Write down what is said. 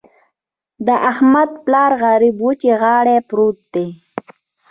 د احمد پلار غريب وچې غاړې پروت دی.